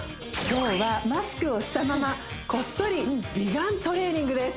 今日はマスクをしたままこっそり美顔トレーニングです